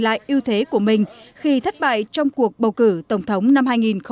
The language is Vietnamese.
lại ưu thế của mình khi thất bại trong cuộc bầu cử tổng thống năm hai nghìn một mươi sáu